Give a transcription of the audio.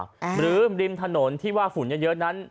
หรือริมถนนที่ว่าฝุ่นเยอะนั้น